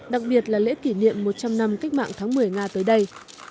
đặc biệt là lễ kỷ niệm một trăm linh năm cách mạng tháng một mươi nga tới đây